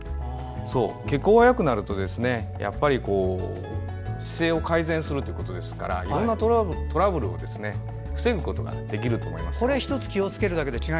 血行がよくなると姿勢を改善するということですからいろんなトラブルを防げると思います。